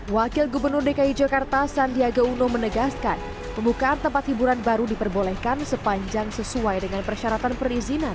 wakil gubernur dki jakarta sandiaga uno menegaskan pembukaan tempat hiburan baru diperbolehkan sepanjang sesuai dengan persyaratan perizinan